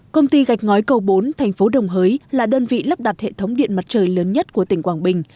công ty gạch ngói cầu bốn thành phố đồng hới là đơn vị lắp đặt hệ thống điện mặt trời lớn nhất của tỉnh quảng bình